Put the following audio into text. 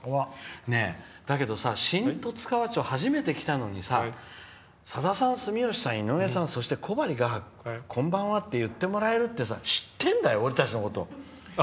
だけどさ、新十津川町はじめて来たのに「さださん、井上さん、住吉さんそして小針画伯こんばんは」って言ってもらえるって知ってるんだよ、俺たちのこと。